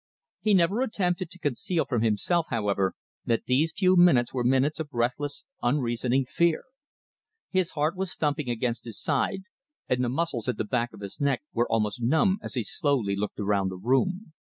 He never attempted to conceal from himself, however, that these few minutes were minutes of breathless, unreasoning fear. His heart was thumping against his side, and the muscles at the back of his neck were almost numb as he slowly looked round the room.